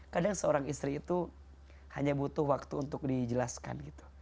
kadang seorang istri itu hanya butuh waktu untuk dijelaskan gitu